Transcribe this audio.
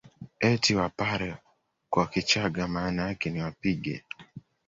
Eti Wapare kwa Kichagga maana yake ni wapige